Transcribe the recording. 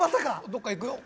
どっか行くよ。